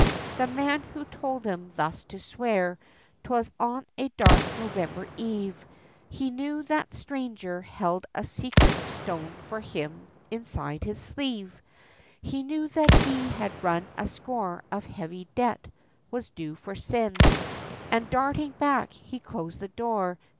The man who told him thus to swear, 'twas on a dark November eve, He knew that stranger held a secret stone for him inside his sleeve; He knew that he had run a score of heavy debt, was due for sin, And darting back, he closed the door.